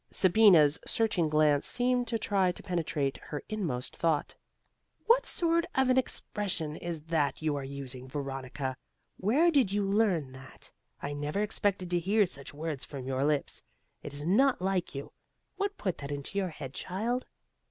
Sabina's searching glance seemed to try to penetrate her inmost thought. "What sort of an expression is that you are using, Veronica? Where did you learn that? I never expected to hear such words from your lips. It is not like you. What put that into your head, child?"